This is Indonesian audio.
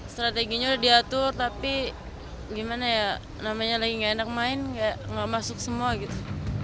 strateginya udah diatur tapi gimana ya namanya lagi gak enak main nggak masuk semua gitu